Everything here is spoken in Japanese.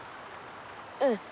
うん。